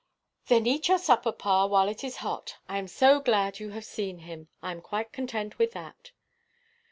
"Then eat your supper, pa, while it is hot. I am so glad you have seen him. I am quite content with that."